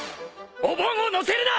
お盆をのせるな！